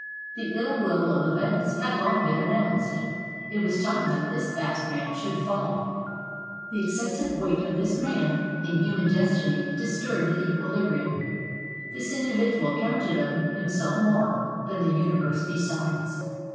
The ill will of events had long been announced. It was time that this vast man should fall. The excessive weight of this man in human destiny disturbed the equilibrium. This individual counted of himself more than the universe besides.